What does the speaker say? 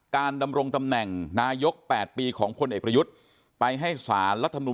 ดำรงตำแหน่งนายก๘ปีของพลเอกประยุทธ์ไปให้สารรัฐมนุม